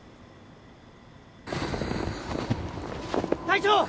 隊長！